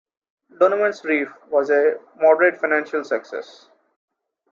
"Donovan's Reef" was a moderate financial success.